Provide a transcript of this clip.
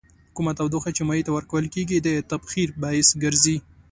کومه تودوخه چې مایع ته ورکول کیږي د تبخیر باعث ګرځي.